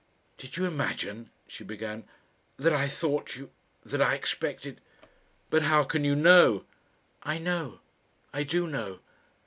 "Did you imagine," she began, "that I thought you that I expected " "But how can you know?" "I know. I do know."